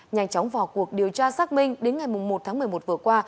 nhanh chóng vào cuộc điều tra xác minh đến ngày một tháng một mươi một vừa qua